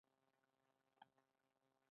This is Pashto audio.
وادي د افغانستان د جغرافیې بېلګه ده.